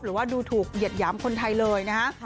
หรือว่าดูถูกเหยียดหยามคนไทยเลยนะฮะ